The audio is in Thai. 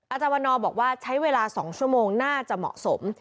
อาจารย์วันนอบอกว่าใช้เวลา๒ชั่วโมงน่าจะเหมาะสม